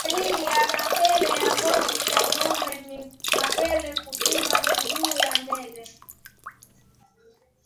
Dalili ya mapele ya ngozi kwa ngombe ni mapele kuvimba miguu ya mbele